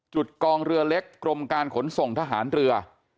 กองเรือเล็กกรมการขนส่งทหารเรือ